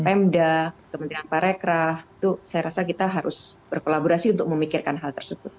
pemda kementerian parekraf itu saya rasa kita harus berkolaborasi untuk memikirkan hal tersebut